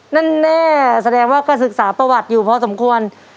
แน่แสดงว่าก็ศึกษาประวัติอยู่พอสมควร